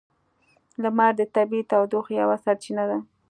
لمر د طبیعی تودوخې یوه سرچینه ده.